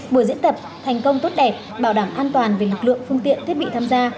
buổi diễn tập thành công tốt đẹp bảo đảm an toàn về lực lượng phương tiện thiết bị tham gia